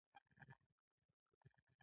پیاله د مسجدو له چای سره ساه اخلي.